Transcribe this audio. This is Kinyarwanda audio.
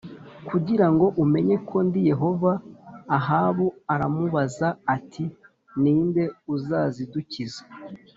kugira ngo umenye ko ndi Yehova Ahabu aramubaza ati ni nde uzazidukiza